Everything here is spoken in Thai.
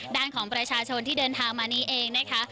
ด้านของประชาชนที่เดินทางมานี้เองนะคะ